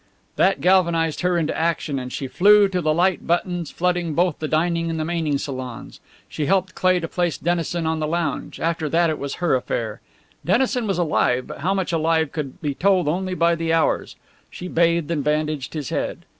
That galvanized her into action, and she flew to the light buttons, flooding both the dining and the main salons. She helped Cleigh to place Dennison on the lounge. After that it was her affair. Dennison was alive, but how much alive could be told only by the hours. She bathed and bandaged his head.